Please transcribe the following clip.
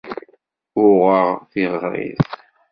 Uɣeɣ tiɣṛit.